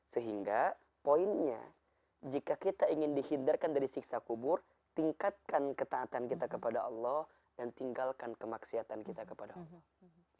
sehingga poinnya jika kita ingin dihindarkan dari siksa kubur tingkatkan ketaatan kita kepada allah dan tinggalkan kemaksiatan kita kepada allah